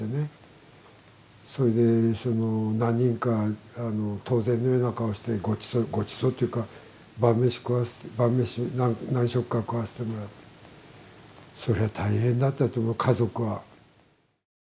それで何人か当然のような顔をしてごちそうごちそうというか晩飯食わして晩飯何食か食わせてもらってそれは大変だったと思う家族は。